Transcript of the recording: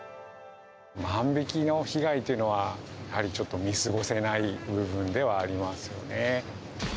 万引きの被害というのは、やはりちょっと見過ごせない部分ではありますよね。